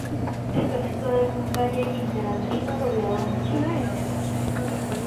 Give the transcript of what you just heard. Está situado en un valle interandino rodeado mucha vegetación.